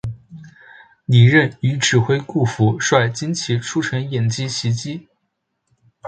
李任与指挥顾福帅精骑出城掩击袭击。